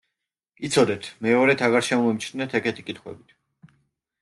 იცოდეთ, მეორედ აღარ შემომიჩნდეთ ეგეთი კითხვებით.